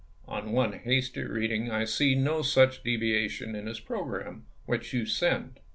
On one hasty reading I see no such deviation in his programme, which you send."